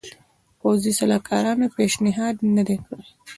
پوځي سلاکارانو پېشنهاد نه دی کړی.